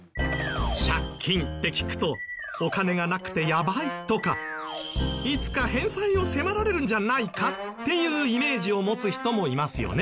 借金って聞くとお金がなくてやばいとかいつか返済を迫られるんじゃないか？っていうイメージを持つ人もいますよね。